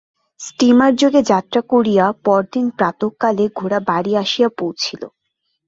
স্টীমারযোগে যাত্রা করিয়া পরদিন প্রাতঃকালে গোরা বাড়ি আসিয়া পৌঁছিল।